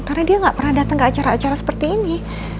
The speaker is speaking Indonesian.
karena dia gak pernah datang ke acara acara seperti ini